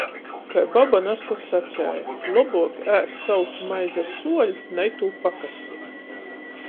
Kai baba nazkod saceja - lobuok ēst sausu maizi ar suoli, na itū pakasti.